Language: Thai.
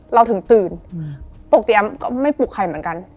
เราถึงตื่นปกติก็ไม่ปลุกใครเหมือนกัน